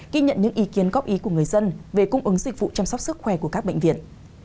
ghi nhận những ý kiến góp ý của người dân về cung ứng dịch vụ chăm sóc sức khỏe của các bệnh viện